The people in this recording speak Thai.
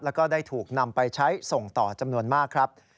แล้วก็ได้ถูกนำไปใช้ส่งต่อจำนวนมากครับ